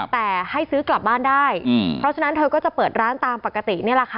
แต่ให้ซื้อกลับบ้านได้เพราะฉะนั้นเธอก็จะเปิดร้านตามปกตินี่แหละค่ะ